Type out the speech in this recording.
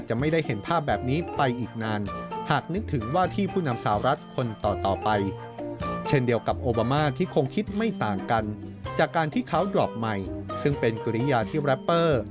ซึ่งเป็นกริญญาที่แรปเปอร์